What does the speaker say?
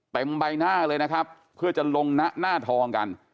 ใบหน้าเลยนะครับเพื่อจะลงหน้าทองกัน